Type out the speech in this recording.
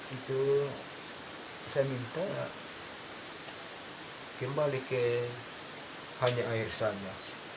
itu saya minta kembali ke hanya air saja